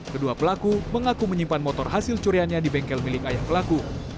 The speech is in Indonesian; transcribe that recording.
kedua pelaku mengaku menyimpan motor hasil curiannya di bengkel milik ayah pelaku